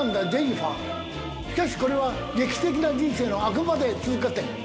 しかしこれは劇的な人生のあくまで通過点。